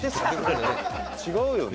違うよね？」